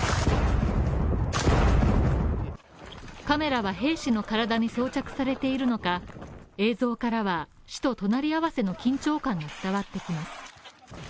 カメラは兵士の体に装着されているのか、映像からは死と隣り合わせの緊張感が伝わってきます。